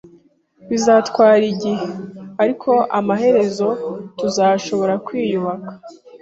Bizatwara igihe, ariko amaherezo tuzashobora kwiyubaka.